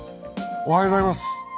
おはようございます。